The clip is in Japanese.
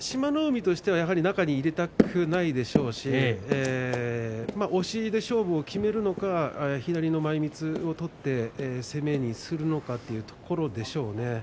海としてはやはり中に入れたくないでしょうし押しで勝負を決めるのか左の前みつを取って攻めにするのかというところでしょうね。